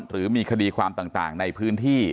หรือมีคดีความต่างในพื้นที่